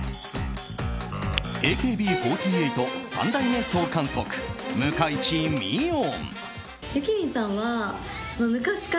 ＡＫＢ４８、３代目総監督向井地美音。